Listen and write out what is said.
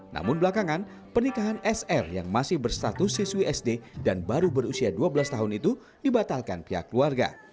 namun belakangan pernikahan sr yang masih berstatus siswi sd dan baru berusia dua belas tahun itu dibatalkan pihak keluarga